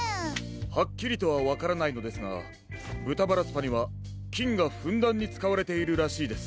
ハッキリとはわからないのですがぶたバラスパにはきんがふんだんにつかわれているらしいです。